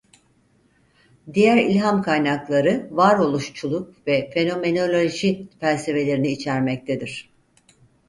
Diğer ilham kaynakları varoluşçuluk ve fenomenoloji felsefelerini içermektedir.